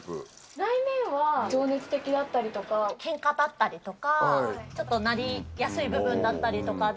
内面は情熱的だったりとか、けんかだったりとか、ちょっとなりやすい部分だったりとかで。